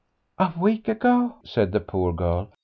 "A week ago!" said the poor girl.